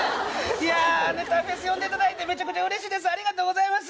いやー、ネタフェス呼んでいただいて、めちゃくちゃうれしいです、ありがとうございます。